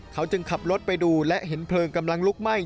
เขาจึงขับรถไปดูและเห็นเพลิงกำลังลุกไหม้